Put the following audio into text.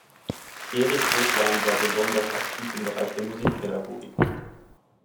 Erich Doflein war besonders aktiv im Bereich der Musikpädagogik.